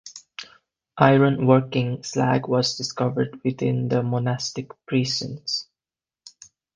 Iron working slag was discovered within the monastic precincts.